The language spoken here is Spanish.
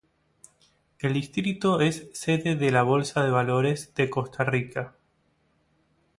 El distrito es sede de la Bolsa de Valores de Costa Rica.